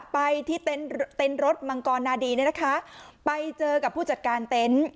ไปที่เต็นต์รถมังกรนาดีเนี่ยนะคะไปเจอกับผู้จัดการเต็นต์